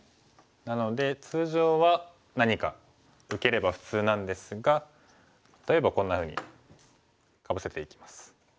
なので通常は何か受ければ普通なんですが例えばこんなふうにかぶせていきます。